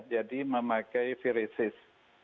jadi memakai viruses